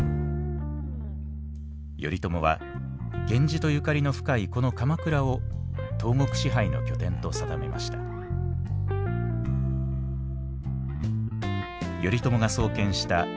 頼朝は源氏とゆかりの深いこの鎌倉を東国支配の拠点と定めました。